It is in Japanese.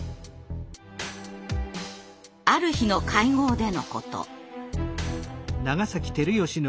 ある日の会合でのこと。